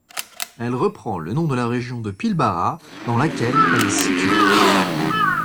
Elle reprend le nom de la région de Pilbara dans laquelle elle est située.